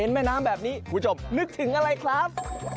แม่น้ำแบบนี้คุณผู้ชมนึกถึงอะไรครับ